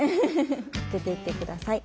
当てていって下さい。